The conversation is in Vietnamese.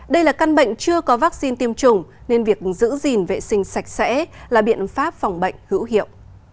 đây là căn bệnh chưa có vaccine tiêm chủng nên việc giữ gìn vệ sinh sạch sẽ là biện pháp phòng bệnh hữu hiệu